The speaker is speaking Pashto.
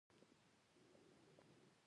زه نهه څلوېښت ورځې مخکې دې ځای ته راغلی وم.